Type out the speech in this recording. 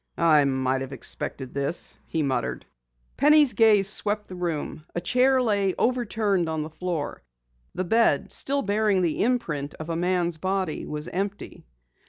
"I might have expected this!" he muttered. Penny's gaze swept the room. A chair lay overturned on the floor. The bed, still bearing the imprint of a man's body, was empty.